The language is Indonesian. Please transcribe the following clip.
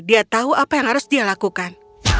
dia tahu apa yang harus dia lakukan